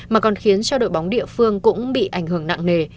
mà còn khiến cho đội bóng địa phương cũng bị ảnh hưởng nặng nề